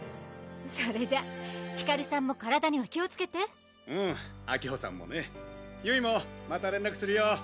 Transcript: それじゃあひかるさんも体には気をつけて「うんあきほさんもねゆいもまた連絡するよ」